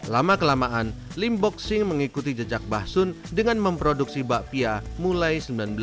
lama kelamaan lim bok sing mengikuti jejak bah sun dengan memproduksi bapia mulai seribu sembilan ratus empat puluh delapan